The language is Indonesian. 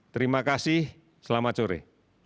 terima kasih selamat sore